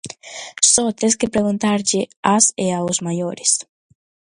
Só tes que preguntarlle ás e aos maiores.